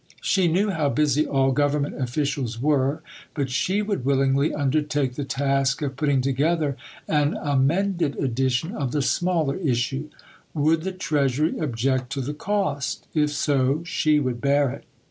She knew how busy all Government officials were; but she would willingly undertake the task of putting together an amended edition of the smaller issue. Would the Treasury object to the cost? If so, she would bear it.